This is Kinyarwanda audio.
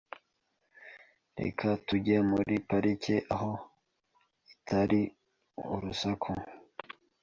Reka tujye muri parike aho itari urusaku.